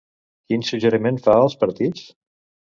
Quin suggeriment fa als partits?